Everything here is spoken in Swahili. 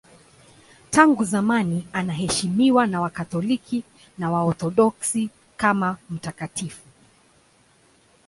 Tangu zamani anaheshimiwa na Wakatoliki na Waorthodoksi kama mtakatifu.